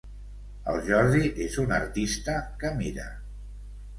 El Jordi és un artista que mira.